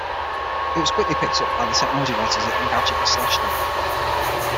It was quickly picked up by the technology writers at Engadget and Slashdot.